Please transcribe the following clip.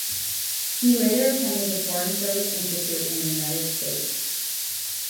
He later attended the Foreign Service Institute in the United States.